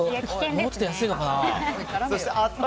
もうちょっと安いのかな。